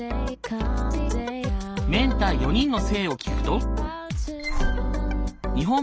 メンター４人の性を聞くと。